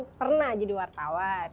kan pernah jadi wartawan